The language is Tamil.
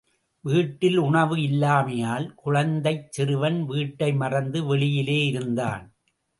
வீட்டில் உணவு இல்லாமையால் குழந்தைச் சிறுவன் வீட்டை மறந்து வெளியிலேயே இருந்தான்.